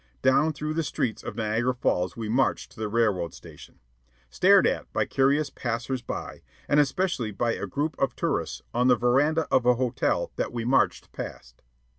Down through the streets of Niagara Falls we marched to the railroad station, stared at by curious passers by, and especially by a group of tourists on the veranda of a hotel that we marched past.